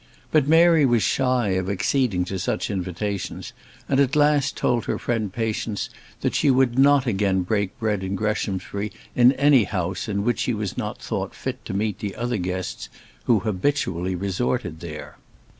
But Mary was shy of acceding to such invitations, and at last frankly told her friend Patience, that she would not again break bread in Greshamsbury in any house in which she was not thought fit to meet the other guests who habitually resorted there.